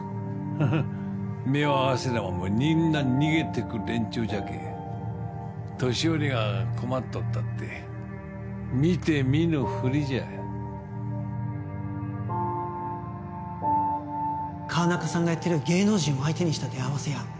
ハハッ目を合わせてもみんな逃げてく連中じゃけえ年寄りが困っとったって見て見ぬふりじゃ川中さんがやってる芸能人を相手にした出会わせ屋